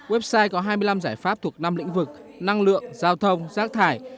website có hai mươi năm giải pháp thuộc năm lĩnh vực năng lượng giao thông rác thải